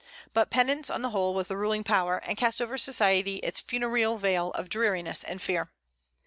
But penance, on the whole, was the ruling power, and cast over society its funereal veil of dreariness and fear.